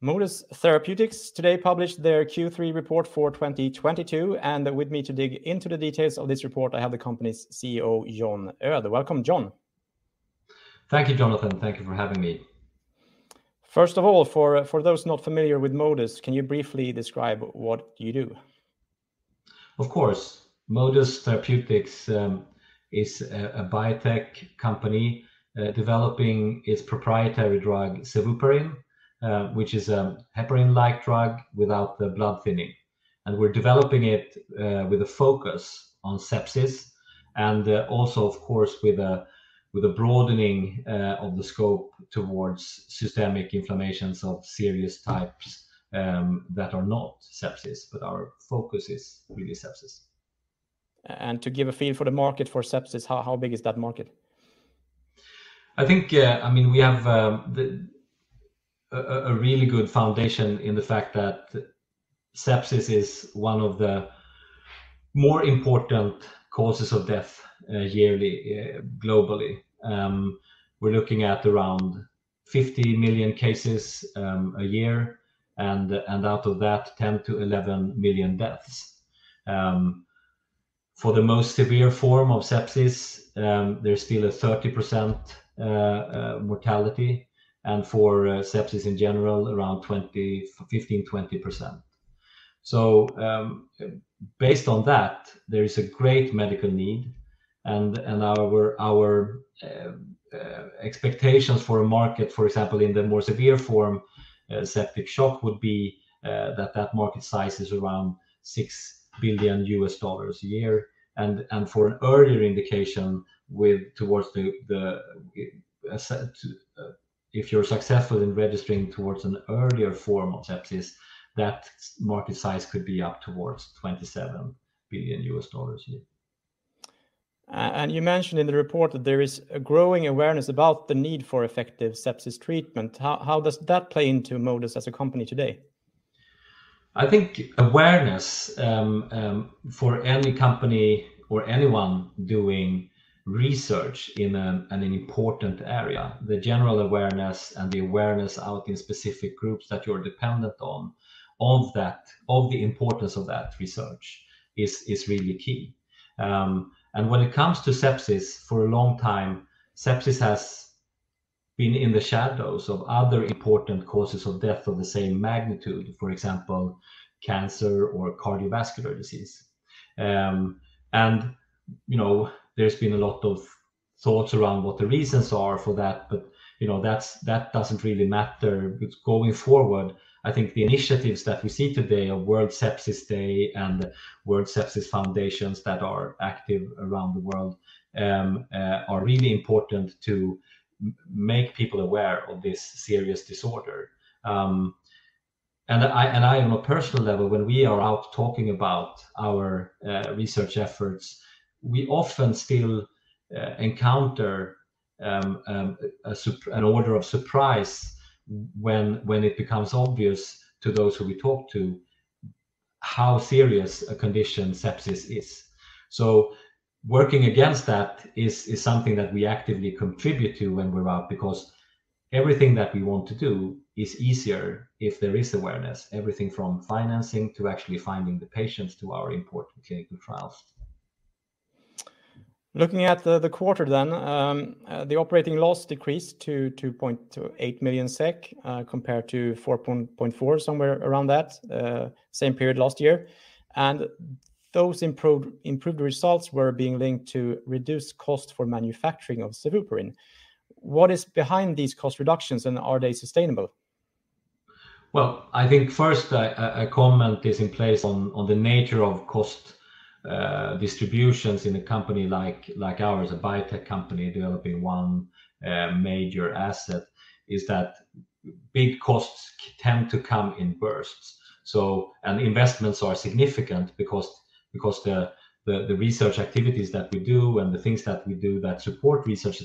Modus Therapeutics today published their Q3 report for 2022. With me to dig into the details of this report, I have the company's CEO, John Öhd. Welcome, John. Thank you, Jonathan. Thank you for having me. First of all, for those not familiar with Modus, can you briefly describe what you do? Of course. Modus Therapeutics is a biotech company developing its proprietary drug sevuparin, which is a heparin-like drug without the blood-thinning. We're developing it with a focus on sepsis and also, of course, with a broadening of the scope towards systemic inflammations of serious types that are not sepsis. Our focus is really sepsis. To give a feel for the market for sepsis, how big is that market? I think, I mean, we have a really good foundation in the fact that sepsis is one of the more important causes of death yearly globally. We're looking at around 50 million cases a year, and out of that, 10 million-11 million deaths. For the most severe form of sepsis, there's still a 30% mortality, and for sepsis in general, around 15%-20%. Based on that, there is a great medical need and our expectations for a market, for example, in the more severe form, septic shock, would be that that market size is around $6 billion a year. And for an earlier indication with towards the, if you're successful in registering towards an earlier form of sepsis, that market size could be up towards $27 billion a year. You mentioned in the report that there is a growing awareness about the need for effective sepsis treatment. How does that play into Modus as a company today? I think awareness, for any company or anyone doing research in an important area, the general awareness and the awareness out in specific groups that you're dependent on, of that, of the importance of that research is really key. When it comes to sepsis, for a long time, sepsis has been in the shadows of other important causes of death of the same magnitude, for example, cancer or cardiovascular disease. You know, there's been a lot of thoughts around what the reasons are for that, but, you know, that doesn't really matter. Going forward, I think the initiatives that we see today of World Sepsis Day and World Sepsis Foundations that are active around the world, are really important to make people aware of this serious disorder. I, on a personal level, when we are out talking about our research efforts, we often still encounter an order of surprise when it becomes obvious to those who we talk to how serious a condition sepsis is. Working against that is something that we actively contribute to when we're out, because everything that we want to do is easier if there is awareness. Everything from financing to actually finding the patients to our important clinical trials. Looking at the quarter then, the operating loss decreased to 2.8 million SEK, compared to 4.4 million, somewhere around that, same period last year. Those improved results were being linked to reduced cost for manufacturing of sevuparin. What is behind these cost reductions, and are they sustainable? Well, I think first a comment is in place on the nature of cost distributions in a company like ours, a biotech company developing one major asset, is that big costs tend to come in bursts. Investments are significant because the research activities that we do and the things that we do that support research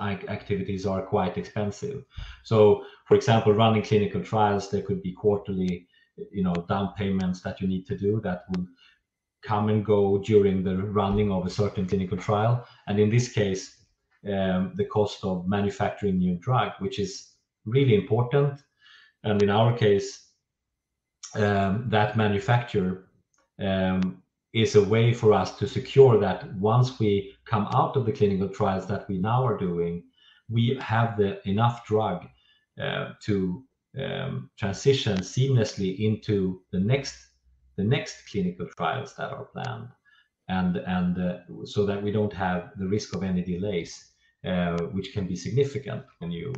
activities are quite expensive. For example, running clinical trials, there could be quarterly, you know, down payments that you need to do that would come and go during the running of a certain clinical trial. In this case, the cost of manufacturing new drug, which is really important. In our case, that manufacture is a way for us to secure that once we come out of the clinical trials that we now are doing, we have the enough drug to transition seamlessly into the next clinical trials that are planned. So that we don't have the risk of any delays, which can be significant when you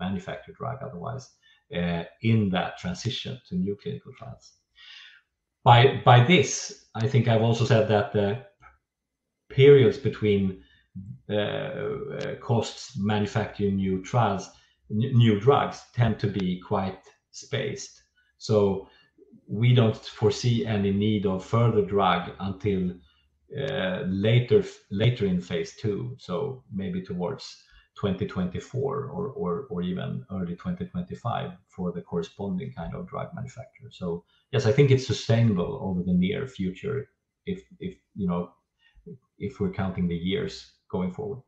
manufacture drug otherwise, in that transition to new clinical trials. By this, I think I've also said that the periods between costs manufacturing new trials, new drugs tend to be quite spaced. We don't foresee any need of further drug until later in phase II, so maybe towards 2024 or even early 2025 for the corresponding kind of drug manufacturer. Yes, I think it's sustainable over the near future if, you know, if we're counting the years going forward.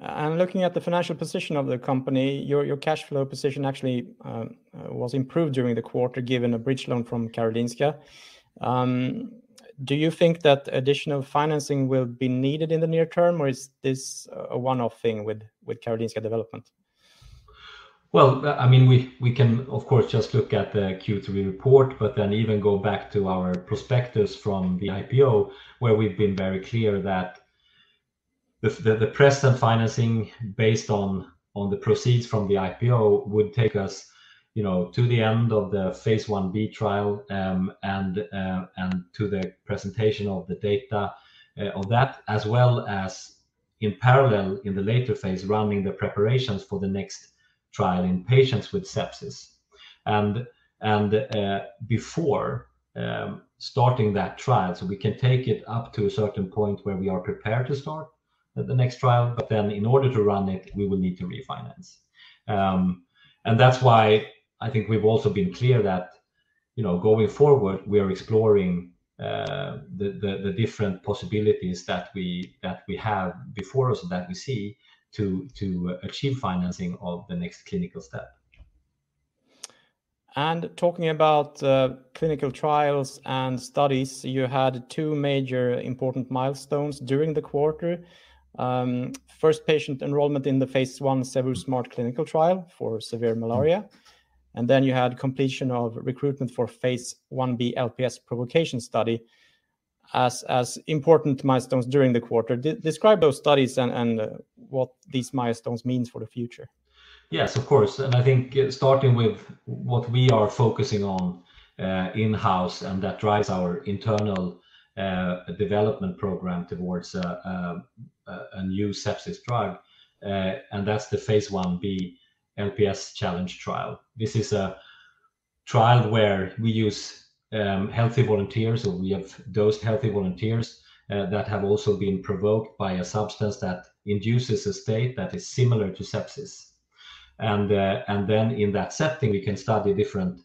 Looking at the financial position of the company, your cash flow position actually, was improved during the quarter given a bridge loan from Karolinska. Do you think that additional financing will be needed in the near term or is this a one-off thing with Karolinska Development? Well, I mean, we can of course just look at the Q3 report, then even go back to our prospectus from the IPO, where we've been very clear that the present financing based on the proceeds from the IPO would take us, you know, to the end of the phase I-B trial, and to the presentation of the data of that, as well as in parallel in the later phase running the preparations for the next trial in patients with sepsis. Before starting that trial, we can take it up to a certain point where we are prepared to start the next trial. In order to run it, we will need to refinance. That's why I think we've also been clear that, you know, going forward, we are exploring the different possibilities that we have before us, that we see to achieve financing of the next clinical step. Talking about clinical trials and studies, you had two major important milestones during the quarter. First patient enrollment in the phase I SEVUSMART clinical trial for severe malaria. Then you had completion of recruitment for phase I-B LPS provocation study as important milestones during the quarter. Describe those studies and what these milestones means for the future. Yes, of course. I think starting with what we are focusing on, in-house, and that drives our internal development program towards a new sepsis drug, and that's the phase I-B LPS challenge trial. This is a trial where we use healthy volunteers, or we have dosed healthy volunteers, that have also been provoked by a substance that induces a state that is similar to sepsis. Then in that setting, we can study different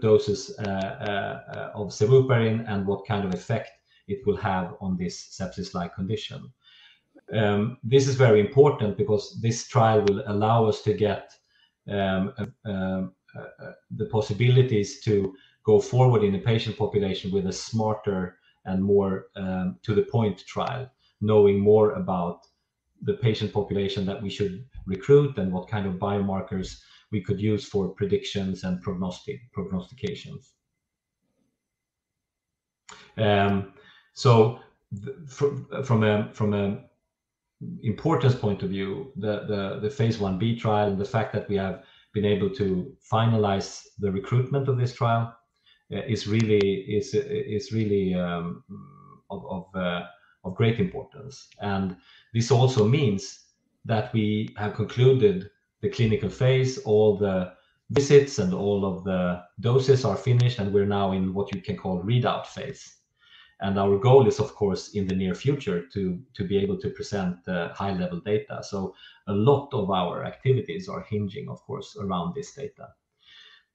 doses of sevuparin and what kind of effect it will have on this sepsis-like condition. This is very important because this trial will allow us to get the possibilities to go forward in the patient population with a smarter and more to the point trial, knowing more about the patient population that we should recruit and what kind of biomarkers we could use for predictions and prognostications. From a importance point of view, the phase I-B trial and the fact that we have been able to finalize the recruitment of this trial is really of great importance. This also means that we have concluded the clinical phase. All the visits and all of the doses are finished, and we're now in what you can call readout phase. Our goal is, of course, in the near future to be able to present the highlevel data. A lot of our activities are hinging, of course, around this data.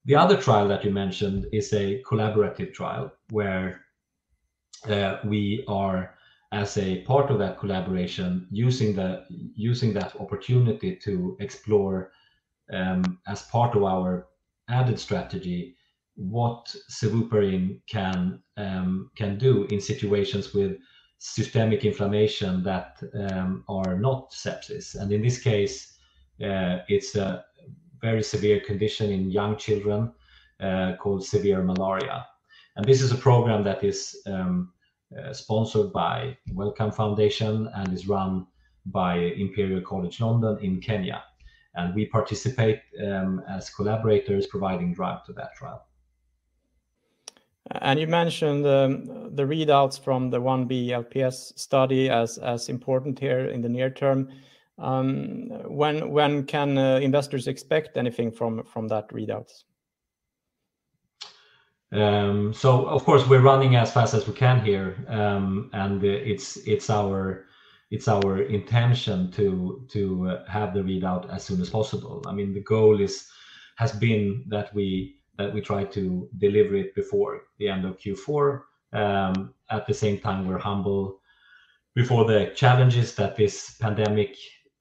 The other trial that you mentioned is a collaborative trial where we are, as a part of that collaboration, using that opportunity to explore as part of our added strategy, what sevuparin can do in situations with systemic inflammation that are not sepsis. In this case, it's a very severe condition in young children called severe malaria. This is a program that is sponsored by Wellcome Foundation and is run by Imperial College London in Kenya. We participate as collaborators providing drug to that trial. You mentioned the readouts from the phase I-B LPS study as important here in the near term. When can investors expect anything from that readouts? Of course, we're running as fast as we can here. It's our intention to have the readout as soon as possible. I mean, the goal has been that we try to deliver it before the end of Q4. At the same time, we're humble before the challenges that this pandemic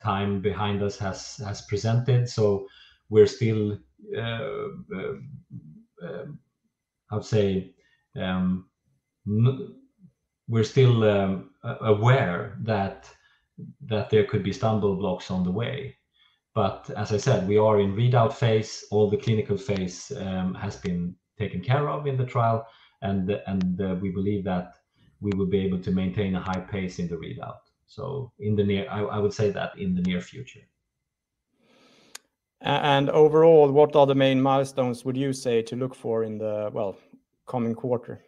time behind us has presented, so we're still, I would say, we're still aware that there could be stumble blocks on the way. As I said, we are in readout phase. All the clinical phase has been taken care of in the trial. We believe that we will be able to maintain a high pace in the readout. I would say that, in the near future. Overall, what are the main milestones would you say to look for in the, well, coming quarter,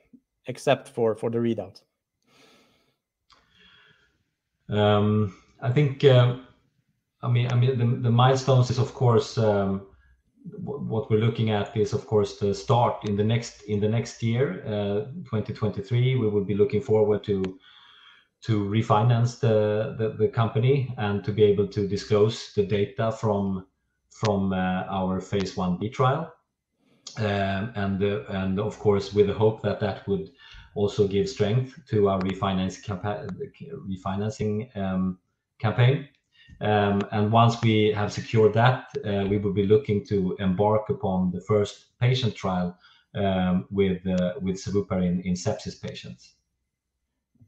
except for the readout? I mean, the milestones is, of course, what we're looking at is, of course, the start in the next year, 2023. We would be looking forward to refinance the company and to be able to disclose the data from our phase I-B trial. Of course, with the hope that that would also give strength to our refinancing campaign. Once we have secured that, we will be looking to embark upon the first patient trial with sevuparin in sepsis patients.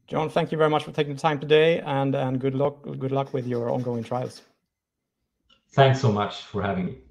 John, thank you very much for taking the time today, and good luck with your ongoing trials. Thanks so much for having me.